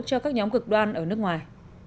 cho các nhóm cực đoan ở nước ngoài